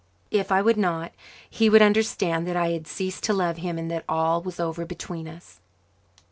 If I would not, he would understand that I had ceased to love him and that all was over between us.